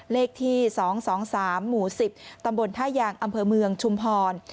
เลขที่๒๒๓หมู่๑๐ตำบลท่ายางอำเภอเมืองชุมพร